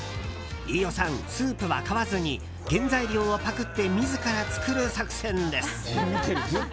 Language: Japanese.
飯尾さん、スープは買わずに原材料をパクって自ら作る作戦です。